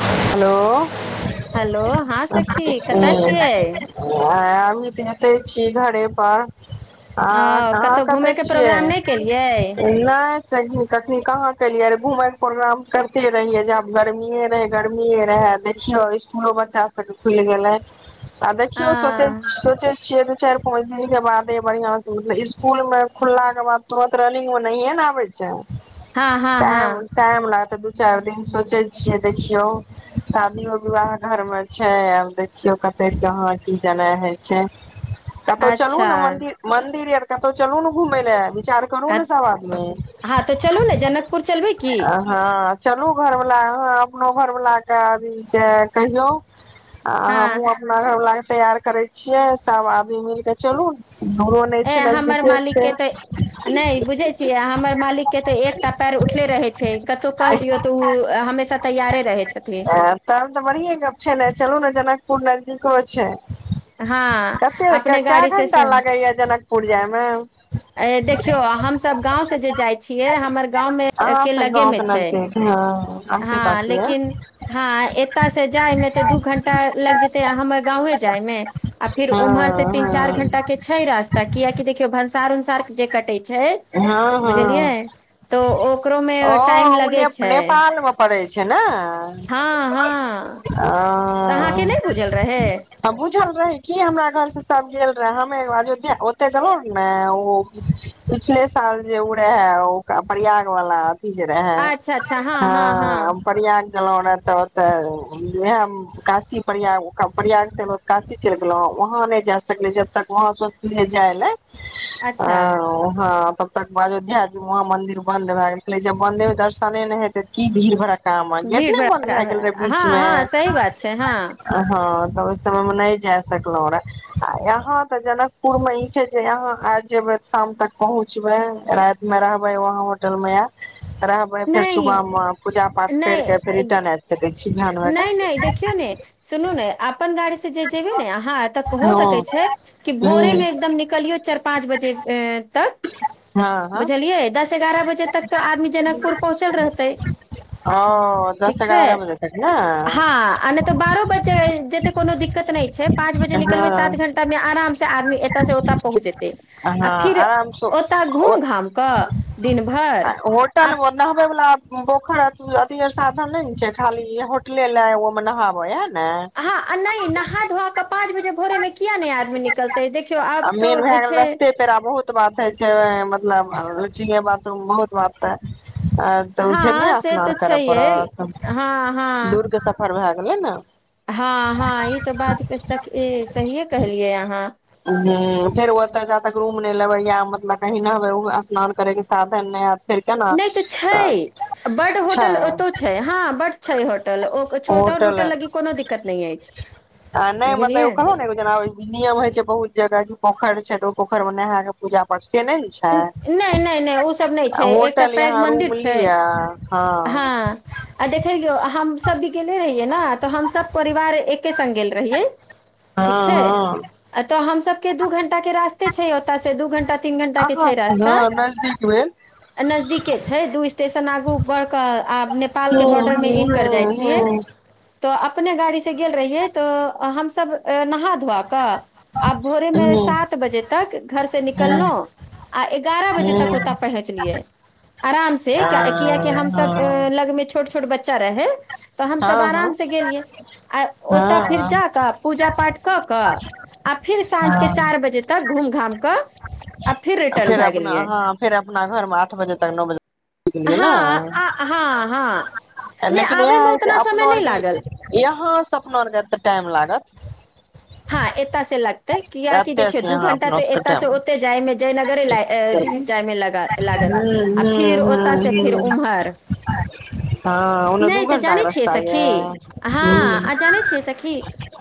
Hello hello हँं सखी कतय छियै? ह हमी भेटै छी घरे पर। आ अ कहाँ कतहु घूमे कते के छियै? प्रोग्राम नहि केलियै नहि सखी अखनि कहाँ केलियै रह घूमे के प्रोग्राम करते रहियै जे आब गर्मीेये। गर्मी रहे देखियौ इसकुलो बच्चा सबके खुलि गेलै। आ देखियओ सोचै सोचै छिए दू चारि। कुछ दिन के बादे बढ़िया से मतल इसकुल में खुलला के बाद तुरंत रनिंग मे नहिये ने आबे छै। हँ हँ टाइम हँ टाइम लागतै दू दिन चारि दिन सोचै छियै। देखियौ शादियो विवाह घर मे छै आब देखियौ कते कहाँ की जेनाइ होइ छै। कतहु चलू अच्छा ने मन्दिर मन्दिर आर। कतहु चलु ने घुमय लए। विचार करू अ ने सब आदमी हँ तऽ चलू ने जनकपुर चलबै की? हँ चलू घर वला यहाँ अपनो घर बला के अभी के कहियौ आ हँ हमूँ अपना घरवला के तैयार करै छियै सब आदमी मिलके चलू दूरो नहि ए छै हमर नजदीके मालिक छै के तऽ नहि बुझे छियै हमर मालिक के तऽ एकटा पैर उठले रहे छै कतहु क दियौ तऽ ओ हमेशा तैय आ तब तऽ बढ़िये गप छै ने चलू ने जेना। फूरना की कहै छै। हँ कते क अपने गाड़ी घं्टा लागैया जनकपुर जायमे अ देखियौ हमसभ गाँवसँ जे जाइ छियै हमर गाँवमे अहाँ के से गाँव लगेमे के छै नजदीक हँ आसे पासे य ेकिन हँ एतय से जाय मे तऽ दू घं्टा लग जेते हमर गांवे जाय मे आ फिर उम्हर से तीन चार हँ घंटा के छै रास्ता कियकि देखियौ भन्सार सर्क जे कटे छै हँ हँ बुझलियै हँ तो ओकरो ओ में टाइम ओ लगे ने छै नेपाल मे पड़ै छै ने हँ हँ तऽ अहाँके नहि बुझल रहै बुझल रहै क हमरा घर सब गेल रहे हमेजोध्या [unintelligible] ओते गेलो ने ओ पिछले साल जे उ रहे है ओ प्रयाग वाला जरा ह हँ परयाग गेलहुँ रह तऽ ओतऽ उएह काशी प्रयाग प्रयाग से काशी चलि गेलहुँ वहाँ नहि जा सकले जबतक वहाँ सोचे जाय लए अच्छा तब तक बाजो ध्या वहाँ मंदिर बन्द भए गेलै जब बन्दे दर्शने नहि हेते की भीड़ भड़ा का म भीड़ एटने भड़ाका बन्दर हलर हँ बीचमे हँ सही बात छै हँ हँ तऽ ओहि समय मे नहि जाय सकलहुं रे आ यहा तऽ जनकपुर में ई छै जे यहााँ जेबै शाम तक पहुँचबै राति में रहबै वहााँ होटल मे आ रहबै फेर नहि सुबह वह पूे पूजा पाठ केर क नहि रीट्रन आब नहि नहि देखियौ ने सुनू ने अपन गाड़ी जेब ने अहाँ त हो सकै हँ छै कि भोरे हूँ मेदम निकलियौ चारि पाँच बजे तक हँ हँ बुझलियै दस एगारह बजे तक त आदमी जनकपुर पहुँचल रहतै ओ ठीक दस छै एगारह बजे तक ने हँ आ नहि तऽ बारह बजे जेतै कोनो दिक्कत नहि छै पाँच बजे निकलबै हँ सात घं्टामे आरामसँ आदमी एतयसँ ओतय पहुँच जेतै आ हँ फिर आराम से ओतय घूम घाम कऽ दिन भरि आ होटल बनाबै वला पोखर अथ साधन नहि ने छै खाली होटले ल ओ मे नहाबे ह हँ नहि नहा धोआ कऽ पाँच बजे भोरे मे किया नहि आदमी निकलतै देखियौ आ आब तो मेन जे भए गेल छै रस्ते पेरा बहुत बात है मतलब रुचि ह बात त बहुत वात आ तऽ फेर हँ नहि से स्नान तऽ करय छैहे पड़त हँ दूर हँ के सफर भए भेलै ने हँ हँ ई तऽ बात तऽ स सहिए कहलियै अहाँ ओ जा तक रूम नहि लेबे या मतलब की न हबे स्नान कर के साने [unintelligible] नहि तऽ छै बड होटल ओतौ छै हँ बड्ड छै होटल ओ छोटल होटल टूटल लगी कोनो दिक्कत नहि अछि आ नहि मतलब बुझलियै कहलहु ने एगो जेना नियम होइ छै बहुत जगह कि पोखरि छै त ओ पोखरमे नेहाँके पूजा पड़ छै से नहि ने छै ओ सब नहि छै एकटा होटल पैघ यहाँ मन्दिर रूम छै लिअ हँ आ देख लियौ हमस भी गेले रहियै ने तऽ हम सब परिवार एके स् गेल रहिै हँ ठीक छै हँ तऽ हमस के दू घंटा के रास्ते छै ओतय से दू घंटा तीन घंटा के अहाँ छै से रास्ता हँ नजदीक भेल नजदीके छै दू स्टेशन आगू बढ़ क आ नेपाल के हूँ बॉर्डर मे हूँ इनकर जाइ हूँ छियै हूँ तऽ अपने गाड़ीसँ गेल रहियै तऽ हमसब नहा धोआ कऽ आब भोरे मे हूँ सात बजे तक घर से निकललो आ एगारह हूँ बजे हूँ तक ओतय हूँ पहुँचलियै आराम से आ किियकि हमस हँ लगमे छोट छोट छोट बच्चा रहै तऽ हमसभ आराम हँ से गेलियै आ हँ ओतय फिर हँ जा कऽ पूजा पाठ कऽ कऽ आ फिर साँझ के चारि हँ बजे तक घूम घाम कऽ रिटर्न फेर भए अपना गेलियै अहाँ फेर अपना घर मे आठ बजे तक नओ बजेलियै हँ ने आ हँ हँ नहि लेकिन आबयमे उतना इएह समय अपना नहि आरके लागल यहाँ सब तऽ टाइम लागत हँ ए तऽ से लगतै कियाकि एते देखियौ से दू यहाँ घं्टा अपना तऽ सबके एतय से टाइम हूँ ओते जाय मे जयनगर ल हूँ आ फिर हूँ ओत से फिर हूँ उम्हर हँ ओने नहि दू त घंटा जानै के छिय रस्ता सखी ये ह हूँ जानै छिय सखी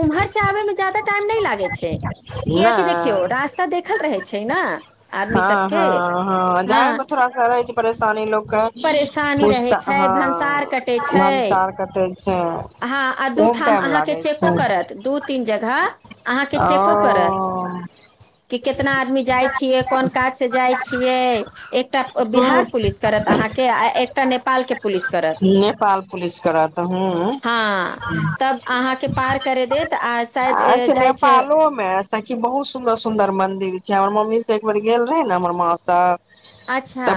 उमहर स आबे मे जादाा टाइम नहि लागै छै कियकि देखियौ नै रास्ता देखल रहै छै ने आदमी हँ सबके हँ हँ जाइ म थोरा स रह छै परेशानी लोक परेशानी रहै पूता छै ह भंसार कटे छै भनसार कट हँ आ दूठाम अहाँके चेको छै करत दू तीन जगह अहाँके ओ चेको करत कि केितना आदमी जाइ छीए कोन काज स जाय छीए एकटा बिहार हूँ पुलिस करत अहाँक एकटा नेपाल के पुलिस करत हँ तब अहाँके पार करे देत आ शायद ए, अचछा जाइ छै नेपालो मे की बहुत सुन्दर सुंन्दर मंदिर हमर मम्मी से एक बेर गेल रह ने हमर माँ सब अच्छा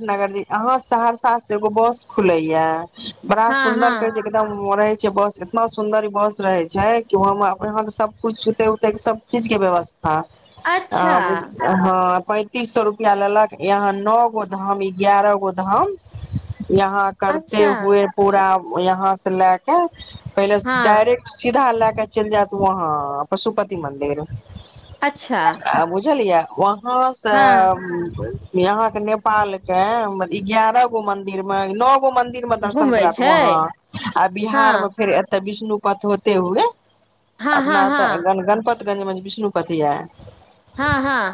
नगर जी अहां सहरसा से एगो बस खुलै या बड़ा हँ सुन्दर कहै हँ छै एकदम मरै बस इतना सुन्दर बस रहे छै कि वहाँं यहाँ सब कुछ सुते उते के सब चीज के व्यवस्था आ अच्छा ह बुझ अहां पैंतीस सौ रुपया लेलक यहां नौ गो धाम एग्यारह गो धाम यहां करते अच्छा हुए पूरा ओ इहां से लएके पहिले हँ डाइरेक्ट सिप धा लए क चलि जाएत वहां पशुपति मंदिर अच्छा आ बुझलियै उहां हां, सएह हँ बुझै छी। इ अहां के नेपाल के एगारह गो मंदिर मे नौ मन्दिर मे दर्शन घुमबै करा देव छै अहां आ हँ बिहार मे फेर एतय विष्णु दुनू पथ होते हुए हँ हँ अपना त हँ गन गनपति गन गन विष्णुपति या हां हां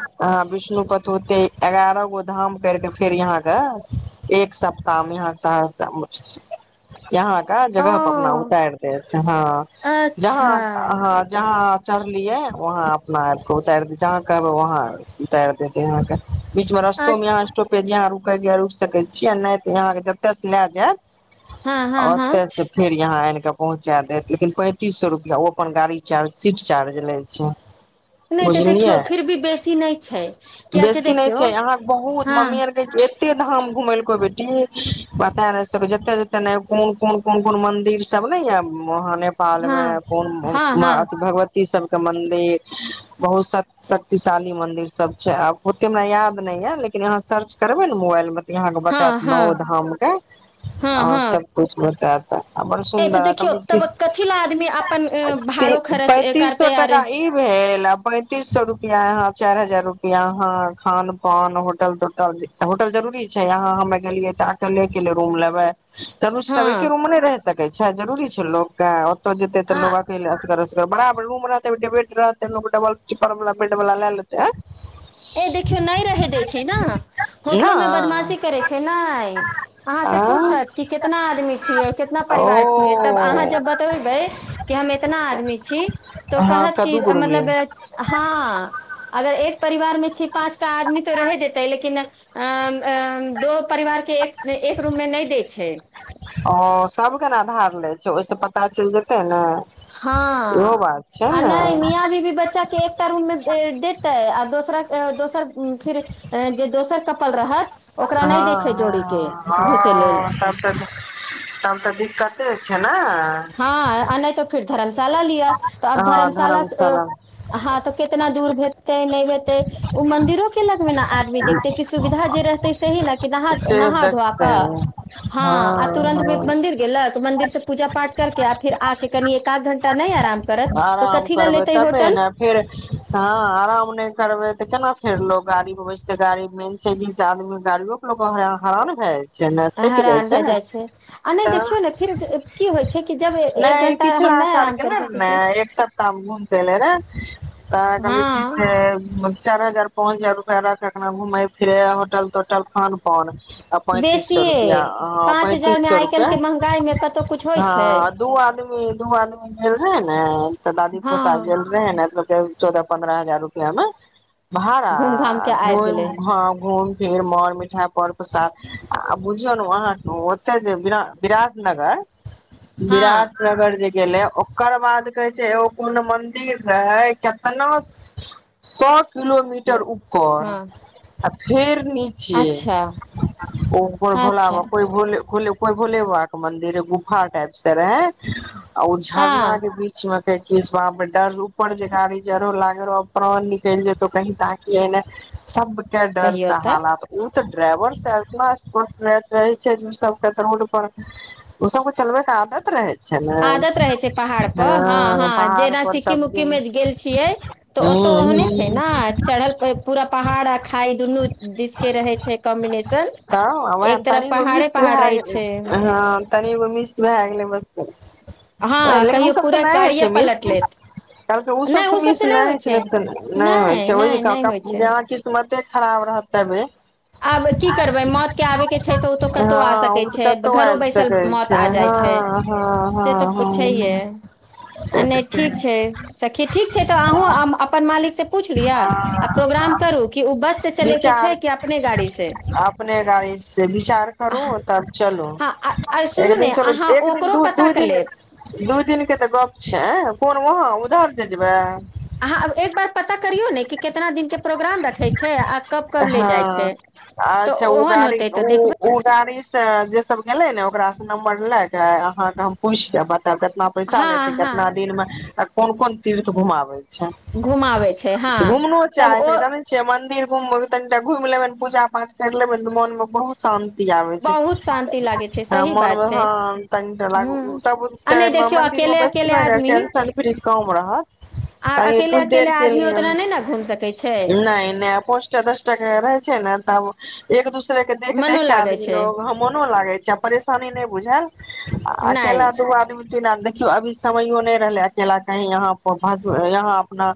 क कतहु ते एगारह गो धाम कर के फेर अहां के एक सप्ताह मे इहां सहरसा [unintelligible] इ अहां के जगह पर अपना ओ उतारि देत हं, जहाँ अच्छा अहां जहाँ चढ़लियै वहां अपना उतारि देते अहां के ओ अहां, उतारि देत अहां के बिच मे रसतो अ- मे स्टाप यदि अहां रुकै के रुकि सकै छियै नहि त अहां के जतय से लय जायत हँ हँ ओऔर हँ तऽस फेर यहाँ त पहुंचा देत, लेकिन पैंतीस सौ रुपया ओ अपन गाड़ी चार्ज सीट चार्ज लै छै नहि त देखियौ, बुझलियै फिर भी बेसी नहि छै कियाकि बेसी देखियौ, हां कते धाम घुमेलको बेटी, पता नहि सब जते जते ने कोन कोन कोन कोन मंदिर सब नै ये उहां नेपाल मे हँ कोन भू हँ माँ हँ अथी भगवती। इ सब के मन में। बहुत शक्ति शक्तिशाली मंदिर सब छै, आब ओते हमरा याद नै य, लेकिन अहां सर्च करबै ने मोबाइल मे। इ अहां के बतायत हँ नवो हँ धाम के, हँ अहां के सब हँ कुछ बतायत। आ बड़ ए त सुन्दर देखियौ कहलकै तब कथी ल आदमी अपन भाड़ो खरच पैंतीस सौ करतै अरे टका ई पैंतीस सए रुपआ यहां चारि हजार रुपआ यहा खान पान होटल तोटल होटल जरूरी छै यहा हमे गेलियै ते अकेले केेले रूम लेबे त सब एके हँ रूम मे नहि रहि सकै छै जरुररी छै लोग के ओतो जेते तऽ लोग आ अकेल बराबर रूम रहतै ओय के बैठ रहते लोग डबल स्लीपर बेड वाला ले लेतै आ। ए देखियौ नहि रहै दै छै ने। ना होटलोमे बदमाशी करै छै ने। अहाँ से आंय पूछत कि कितना आदमी छियै? कितना परिवार छियै? तब अहाँ ओ जब बतेबै कि हम एतना आदमी छी। तऽ हँ कहत कि कद्दू के रूम मतलब लिय हँ अगर एक। परिवार मे छै पाँचटा आदमी तऽ रह देतै लेकिन। आ आ दो परिवार के एक रूम मे नहि दै छै। ओ सबके ने आधार लै छै ओहिस पता चलि जेतै ने? इहो हँ बात छै आ नहि ने मिया बीवी बच्चा के एकटा रूम मे देतै आ दोसरा। अ दोसर फिर अ जे दोसर कप सुतल रहत। ओकरा नहि दै हँ छै जोड़ी के ह घुसे लेल तब तऽ तब तऽ दिक्कते छै ने। हँ अ नहि तऽ फिर। शाला लिय तऽ अब धर्मशाला स हँ तऽ कितना दूर भेजते नहि भेजते? तै ओ मंन्दिरो के लग मे ने आदमी देखते सुविधा जे रहते सही ने से नहा धोआ देखतै कऽ हँ आ तुरंत में हँ मन्दिर गेलक मन्दिर स पूजा पाठ करके आ फिर आके कनि। आध घंटा नहि आराम करत तऽ आराम कथी लए करबै लेतै तबे होटल ने फेर हँ आराम नहि करबै तऽ केना? फेर लोग गाड़ी मे बैसते गाड़ी मेन छै बीस आदमी गाड़ियो के लोग हरान भेल। हेरान भए जाइ छै आ नहि तऽ देखियौ ने फिर की होइ छै कि जब एक घंटा हम नहि। आराम सालके कर सकै ने छी एक सप्ताह घूम के एले रह। ह त हमरा कहलकै की हँ से। चार हजार पाँंच हजार रुपया राखे अखने घुमेै फिरे होटल तोटल खानपान। आ पैंतीस सए बेसिये रुपआ ह पाँच पैंतीस हजार मे सए आइ रुपआ काल्हि के महंगाई मे कतहु कुछ होइ हँ छै दू आदमी दू आदमी। गेल रहेै ने तऽ दादी पोता हँ गेल रहेै ने मतलब चौदह पन्द्रह हजार रुपया मे। भाड़ा घूम घाम के आबि घुम गेलै हँ घुम फेर मोर मिठाय पर प्रसाद आ बुझियौ ने वहाँ ओते जे विरा विराट नगर हँ विराट नगर जे गेले ओकर बाद कहे छै एगो कुने मदिर रहै, कतना सौ किलोमीटर उपर हँ आ फेर नी छिये अच्छा ओ कोय भोला अच्छा बा कोइ भोले [unintelligible] कोय भोले बाबा के मंदिर रहे, गुफा टाइप से रहे अ झरना हँ के बीच मे के [unintelligible] डर से ऊपर जे गाड़ी चरोह लागे रहो अब प्राण निकेल जेतो कहीं ताकियेने, सब के डर कहियौ से तऽ हालात उ त ड्राइवर से इतना स्पीड [unintelligible] रहे छै जे सब के ते रोड पर उ सब के चलबे के आदत रहे छै ने। त रहै छै पहाड़ पर हाँ हँ हाँ पहाड़ जेना पर सब सिक्किम उक्किम दिन मे गेल छियै तऽ हूं ओतौ ओहने छै हूं ने चढ़ल ए पूरा पहाड़ आ खाई दुनू दिश के रहै छै कॉम्बिनेशन, तऽ वैह एक तरफ तनिगो पहाड़े मिस पहाड़ रहै छै। भाय गेले बस [unintelligible] हँ लेकिन उ कहियो सबसे पूरा ने हय कारिये छै मिस पलट लेत कहलकै उ नहि सबसे ओ मिस सबसँ ने नहि होइ हय छै, ने [unintelligible] ने होय नहि छै ओहि नहि नहि होइ छै [unintelligible] किस्मते खराब रहत तबे। आब की करबै मौतके आबयके छै तऽ उ तऽ कतो आ हँ ओ सकै तऽ छै, कतहु घरो आबि बैसल सकै मौत छै आ जाय छै हँ हँ से हँ तऽ ओ छैहये हँ आ से तऽ ने ठीक छै सखी ठीक छै तऽ अहूँ अ अपन मालिकसँ पूछि लिया आ हँ प्रोग्राम करू कि उ बस से चलैके विचार छै कि अ अपने गाड़ी से विचार करू हँ तब चलू आ आ सुनू एक दिन ने चलू अहाँ एक दिन ओकरो दु पता दू कऽ दिन लेब दू दिन के तऽ गप छै, कुन वहाँ उधर जे जेबै अहाँ आब एक बार पता करियौ ने कि केतना दिनके प्रोग्राम रखै छै आ कब कब ले जाय छै हँ तऽ अच्छा ओ ओहन गाड़ी होतै ओ तऽ ओ देखबै गाड़ी से जे सब गेले ने ओकरा से नम्बर लाय के अहाँ के हम पुछ के ब ताब कतना पैसा ले छै, हँ हँ कतना दिन मे कोन कोन तीर्थ घुमाबे छै, घुमाबै छै हँ घुमनो तब ओ चाही, जानै छियै मन्दिर घुमे तनटा घूम लेबे ने पूजा पाठ कर लेबे ने त मोन मे बहुत शान ती आबे छै, बहुत शान्ति लागै छै हाँ सही बात मनमे छै हाँ तनटा लागबो हूँ बहुत आ नहि टाइम मे देखियौ मंदिर मे अकेले अकेले बेसबे ने आदमी टेंशन फ्री कम रहब आ तनी अकेले कुछ अकेले देर के आदमी लिए, ओतना नहि ने घूम सकै छै नै नै पांचटा दसटा के रहे छै ने तब ओ एक दूस रे के देख देख मनो के लागै आदमी छै लोग हाँ मोनो लागे छै आ परेशानी ने बुझाएल आ नहि चलऽ दू आदमी ना देखियो अभी समयो नहि रहले अकेला कहीं यहां यहां अपना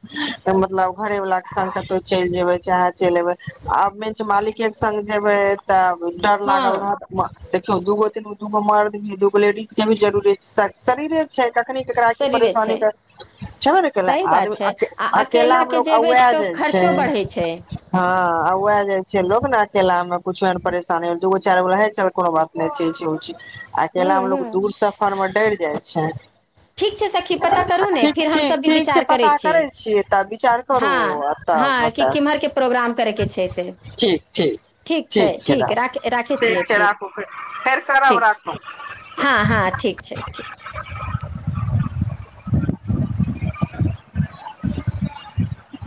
मतलब घरे वाला के संग कतहु चलि जेबे चाहे चलि एबे आ मेन छै मालिके के संग जेबै तब डर हँ लागल रहते [unintelligible] देखियौ दू गो तीन गो दूगो मरद रहै दूगो लेडिज [unintelligible] जरूरी छै [unintelligible] शरीरे छै कखनी केकरा की शरीरे परेशानी छै भै छैबे ने केल ई सही बात आदमी छै आ अकेला आदमी अकेला मे के लोग जेबै औऐ तऽ जाय छै खर्चो बढ़ै छै हँ औए जाय छै। लोग ने अकेला मे कुछो एहन परेशानी होल दुगो चारगो रहै छै कोनो बात नहि ए छै ओ छै हूँ अकेला में हूँ लोग उ सफर मे डैर जाइ छै। ठीक छै सखी पता करू ने ठीक फेर हमसभ ठीक भी ठीक छै विचार करै पता छी छियै तब विचार करू हँ आ तब हँ कि बतायब किम्हरके प्रोग्राम करैके छै से ठीक ठीक ठीक छै ठीक राखै राखू राखै छियै ठीक छै फिर राखू फेर फेर करब ठीक राखू हँ हँ। ठीक छै ठीक।